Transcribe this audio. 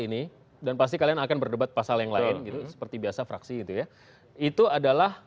ini dan pasti kalian akan berdebat pasal yang lain gitu seperti biasa fraksi itu ya itu adalah